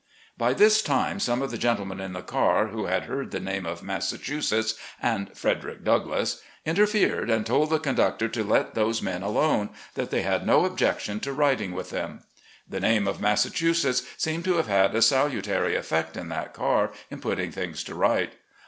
By this time some of the gentlemen on the car, who had heard the name of Massachusetts, and Fred erick Douglass, interfered and told the conductor to let those men alone, that they had no objection to riding with them. The name of Massachusetts seemed to have had a salutary effect in that car, in putting things to right.